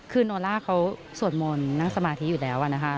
คือโนล่าเขาสวดมนต์นั่งสมาธิอยู่แล้วนะคะ